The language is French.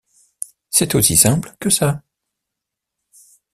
C’est aussi simple que ça.